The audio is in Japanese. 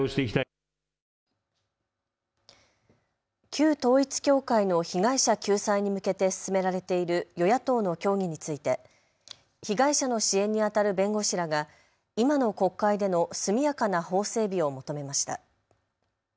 旧統一教会の被害者救済に向けて進められている与野党の協議について被害者の支援にあたる弁護士らが今の国会での速やかな法整備を求めました。